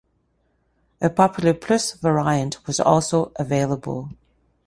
A 'Popular Plus' variant was also available.